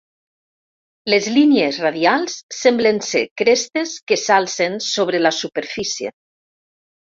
Les línies radials semblen ser crestes que s'alcen sobre la superfície.